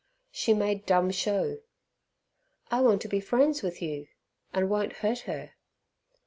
She made dumb show. "I want to be friends with you, and won't hurt her."